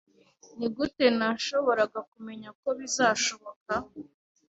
Nigute nashoboraga kumenya ko bizashoboka?